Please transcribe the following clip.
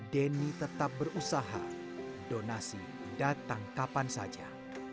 denny tetap berusaha donasi datang kapan saja